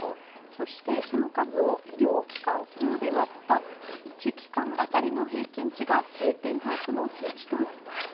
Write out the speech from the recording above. そしてその数を医療機関数で割った１機関当たりの平均値が定点把握の数値となります。